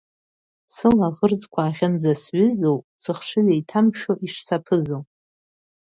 Сылаӷырӡқәа ахьынӡасҩызоу, сыхшыҩ еиҭамшәо ишсаԥызоу.